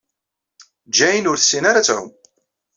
Jane ur tessin ara ad tɛum.